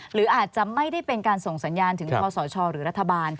หรืออาจจะไม่ได้เป็นการส่งสัญญาณถึงคอสชหรือรัฐบาล